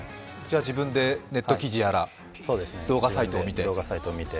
自分でネット記事やら動画サイトを見て？